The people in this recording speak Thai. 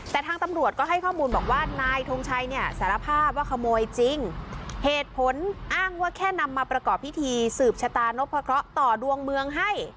แต่ทางตำรวจก็ให้ข้อมูลบอกว่านายทงชัยเนี่ยสารภาพว่าขโมยจริงเหตุผลอ้างว่าแค่นำมาประกอบพิธีสืบชะตานพะเคราะห์ต่อดวงเมืองให้